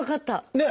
ねえ！